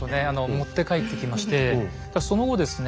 持って帰ってきましてその後ですね